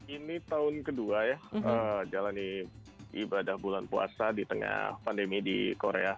ini tahun kedua ya jalani ibadah bulan puasa di tengah pandemi di korea